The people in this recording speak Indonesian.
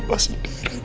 papa sendiri papa bingung